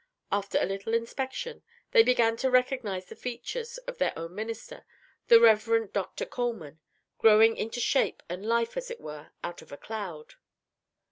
After a little inspection, they began to recognize the features of their own minister; the Rev. Dr. Colman, growing into shape and life as it were, out of a cloud.